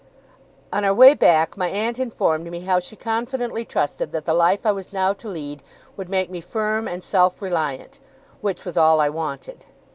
On our way back, my aunt informed me how she confidently trusted that the life I was now to lead would make me firm and self reliant, which was all I wanted.